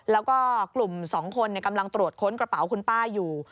แล้วก็กลุ่ม๒คนกำลังตรวจค้นกระเป๋าคุณป้าอยู่